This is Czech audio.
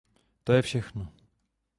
To je všechno.